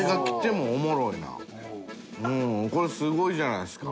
淵船礇鵝これすごいじゃないですか。